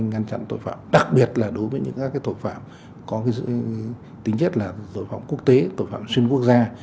ngăn chặn tội phạm đặc biệt là đối với những các tội phạm có tính chất là tội phạm quốc tế tội phạm xuyên quốc gia